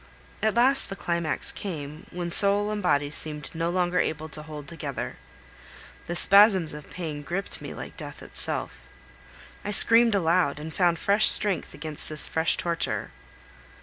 At last the climax came, when soul and body seemed no longer able to hold together; the spasms of pain gripped me like death itself. I screamed aloud, and found fresh strength against this fresh torture.